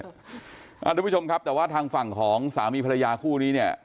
ทุกผู้ชมครับแต่ว่าทางฝั่งของสามีภรรยาคู่นี้เนี่ย